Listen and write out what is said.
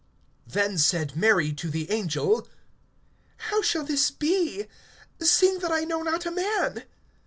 (34)Then said Mary to the angel: How shall this be, seeing that I know not a man?